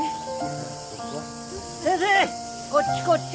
先生こっちこっち。